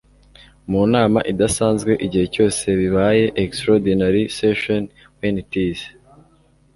mu nama idasanzwe igihe cyose bibaye extraordinary session when it is